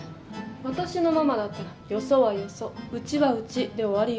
私のママだったら「よそはよそうちはうち」で終わりよ。